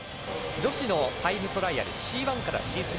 女子のタイムトライアルＣ１からＣ３